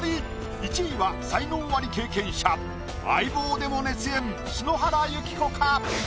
１位は才能アリ経験者「相棒」でも熱演篠原ゆき子か？